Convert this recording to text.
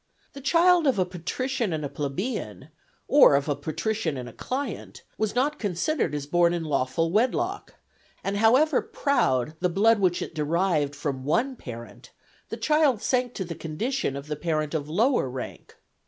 The child of a patrician and a plebeian, or of a patrician and a client, was not considered as born in lawful wedlock; and however proud the blood which it derived from one parent, the child sank to the condition of the parent of lower rank.